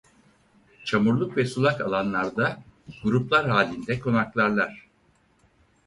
Çamurluk ve sulak alanlarda gruplar halinde konaklarlar.